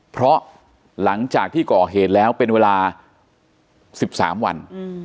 เพราะหลังจากที่ก่อเหตุแล้วเป็นเวลา๑๓วัน